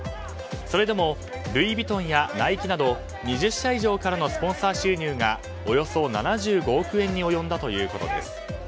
それでもルイ・ヴィトンやナイキなど２０社以上からのスポンサー収入がおよそ７５億円に及んだということです。